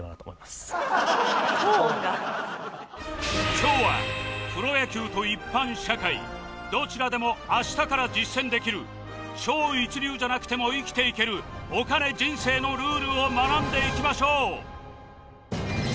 今日はプロ野球と一般社会どちらでも明日から実践できる超一流じゃなくても生きていけるお金・人生のルールを学んでいきましょう